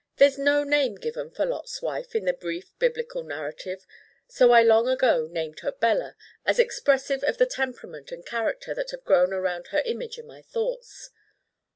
There's no name given for Lot's Wife in the brief biblical narrative, so I long ago named her Bella as expressive of the temperament and character that have grown around her image in my thoughts.